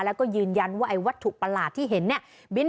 แล้วก็ยืนยันว่าไอ้วัตถุประหลาดที่เห็นเนี่ย